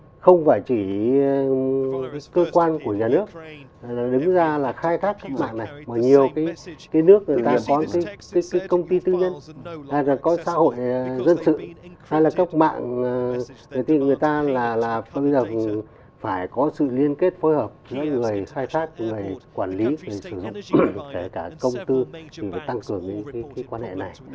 và không phải chỉ cơ quan của nhà nước đứng ra là khai thác các mạng này mà nhiều cái nước cái công ty tư nhân hay là các xã hội dân sự hay là các mạng người ta là phải có sự liên kết phối hợp với người khai thác người quản lý người sử dụng cả công tư thì phải tăng cường những cái quan hệ này